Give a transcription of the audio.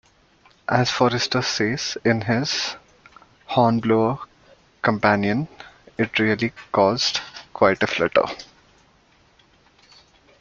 As Forester says in his "Hornblower Companion", "...it really caused quite a flutter".